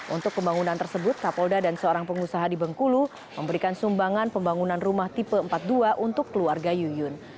untuk pembangunan tersebut kapolda dan seorang pengusaha di bengkulu memberikan sumbangan pembangunan rumah tipe empat puluh dua untuk keluarga yuyun